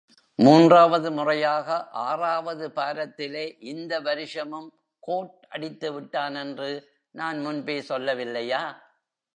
மூன்றாவது முறையாக ஆறாவது பாரத்திலே இந்த வருஷமும் கோட் அடித்துவிட்டானென்று நான் முன்பே சொல்லவில்லையா?